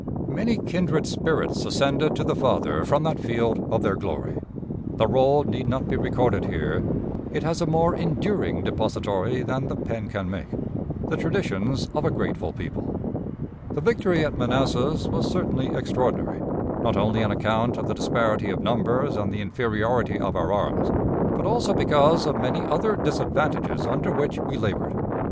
Many kindred spirits ascended to the Father from that field of their glory. The roll need not be recorded here; it has a more enduring depository than the pen can make the traditions of a grateful people. The victory at Manassas was certainly extraordinary, not only on account of the disparity of numbers and the inferiority of our arms, but also because of many other disadvantages under which we labored.